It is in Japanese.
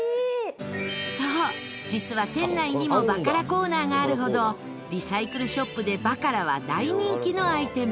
そう実は店内にもバカラコーナーがあるほどリサイクルショップでバカラは大人気のアイテム。